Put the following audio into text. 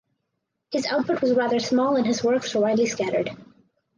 His output was rather small and his works are widely scattered.